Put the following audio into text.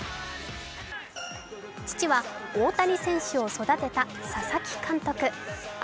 父は大谷選手を育てた佐々木監督。